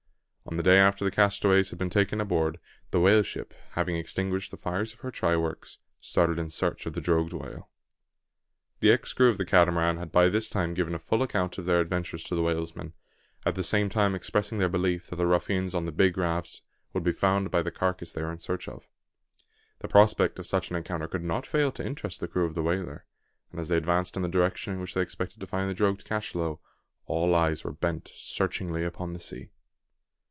On the day after the castaways had been taken aboard, the whale ship, having extinguished the fires of her try works, started in search of the drogued whale. The ex crew of the Catamaran had by this time given a full account of their adventures to the whalesmen; at the same time expressing their belief that the ruffians on the big raft would be found by the carcass they were in search of. The prospect of such an encounter could not fail to interest the crew of the whaler; and as they advanced in the direction in which they expected to find the drogued cachalot, all eyes were bent searchingly upon the sea.